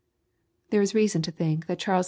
There is reason to think that Charles II.